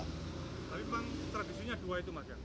tapi memang tradisinya dua itu makanya